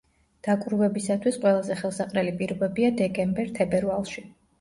დაკვირვებისათვის ყველაზე ხელსაყრელი პირობებია დეკემბერ-თებერვალში.